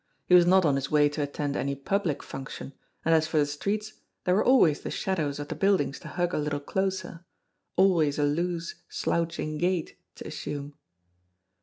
He was not on his way to attend any public function, and as for the streets there were always the shadows of the build ings to hug a little closer, always a loose, slouching gait to assume.